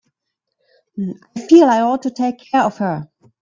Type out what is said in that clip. I feel I ought to take care of her.